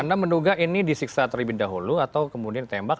anda menduga ini disiksa terlebih dahulu atau kemudian ditembak